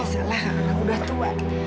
masalah karena udah tua